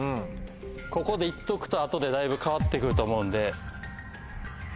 ここでいっとくと後でだいぶ変わってくると思うんで。